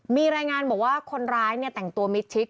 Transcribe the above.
มีรายงานบอกว่าคนร้ายแต่งตัวมิตริก